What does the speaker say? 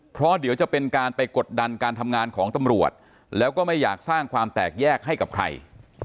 เพราะเดี๋ยวจะเป็นการไปกดดันการทำงานของตำรวจแล้วก็ไม่อยากสร้างความแตกแยกให้กับใคร